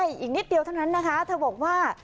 อีกนิดเดียวเท่านั้นนะคะเธอบอกว่า